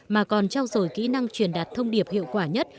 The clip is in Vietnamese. mà còn trao dồi kỹ năng truyền đạt thông điệp hiệu quả nhất